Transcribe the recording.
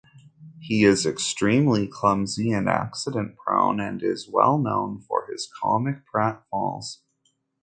He is extremely clumsy and accident-prone, and is well known for his comic pratfalls.